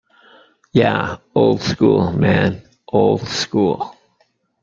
Ya, old school, man, old school.